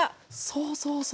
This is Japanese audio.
そうそうそう。